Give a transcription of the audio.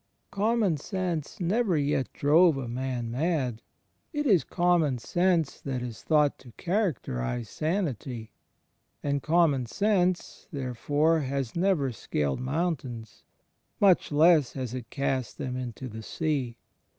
Common sense never yet drove a man mad; it is common sense that is thought to characterize sanity; and common sense, therefore, has never scaled mountains, much less has it cast them into the sea.